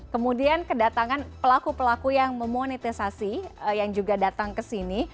kemudian kedatangan pelaku pelaku yang memonetisasi yang juga datang ke sini